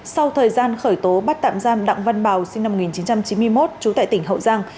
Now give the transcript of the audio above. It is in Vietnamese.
sau thời gian khởi tố bắt tạm giam đặng văn bào sinh năm một nghìn chín trăm chín mươi một trú tại tỉnh hậu giang